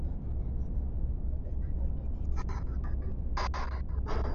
kwa sababu ya umbali wa maeneo ya vijiji vyao na asili yao ya uhamaji